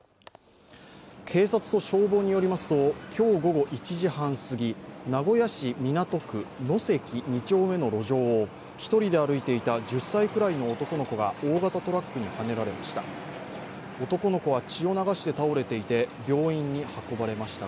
警察と消防によりますと、今日午後１時半すぎ、名古屋市港区野跡２丁目の路上を１人で歩いていた１０歳くらいの男の子が大型トラックにはねられました。